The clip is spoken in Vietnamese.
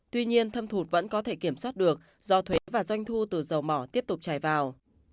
tuy nhiên thâm hụt vẫn có thể kiểm soát được do thuế và doanh thu từ dầu mỏ tiếp tục chảy vào